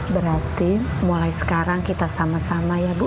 berarti mulai sekarang kita sama sama ya bu